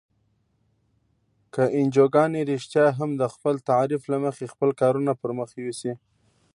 که انجوګانې رښتیا هم د خپل تعریف له مخې خپل کارونه پرمخ یوسي.